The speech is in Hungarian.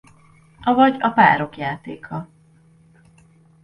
Avagy a párok játéka.